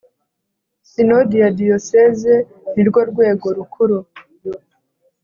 Sinodi ya Diyoseze nirwo rwego rukuru